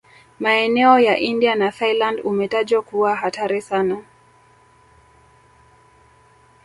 Maeneo ya India na Thailand umetajwa kuwa hatari sana